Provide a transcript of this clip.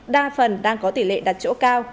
đa phần đang có tỷ lệ đặt chỗ cao